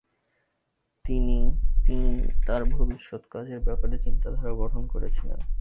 তিনি তিনি তার ভবিষ্যত কাজের ব্যাপারে চিন্তাধারা গঠন করেছিলেন।